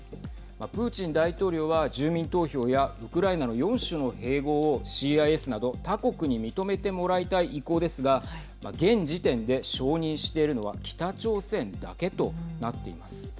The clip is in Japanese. プーチン大統領は住民投票やウクライナの４州の併合をＣＩＳなど他国に認めてもらいたい意向ですが現時点で承認しているのは北朝鮮だけとなっています。